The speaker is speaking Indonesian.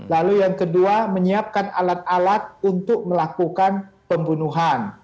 lalu yang kedua menyiapkan alat alat untuk melakukan pembunuhan